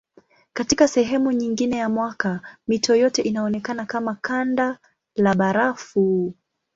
Katika sehemu nyingine ya mwaka mito yote inaonekana kama kanda la barafu.